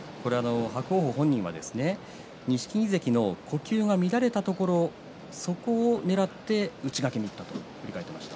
伯桜鵬本人は錦木関の呼吸が乱れたところそこをねらって内掛けにいったと言っていました。